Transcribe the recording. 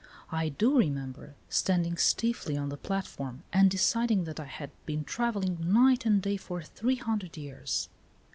I do remember standing stiffly on the plat form and deciding that I had been travelling night and day for three hundred years.